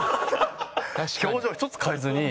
表情一つ変えずに。